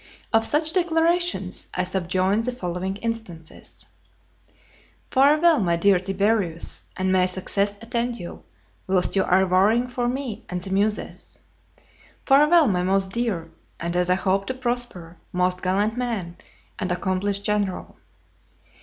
Of such declarations I subjoin the following instances: "Farewell, my dear Tiberius, and may success attend you, whilst you are warring for me and the Muses . Farewell, my most dear, and (as I hope to prosper) most gallant man, and accomplished general."